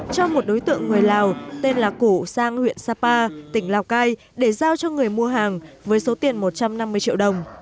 cho một đối tượng người lào tên là củ sang huyện sapa tỉnh lào cai để giao cho người mua hàng với số tiền một trăm năm mươi triệu đồng